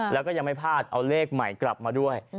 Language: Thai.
แล้วก็ยังไม่พลาดเอาเลขใหม่กลับมาด้วย